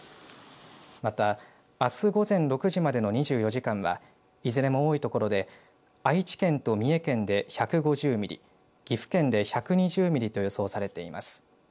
また、あす午前６時までの２４時間はいずれも多い所で愛知県と三重県で１５０ミリ岐阜県で１２０ミリと予想されています。